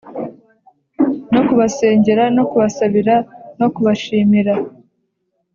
no kubasengera no kubasabira no kubashimira,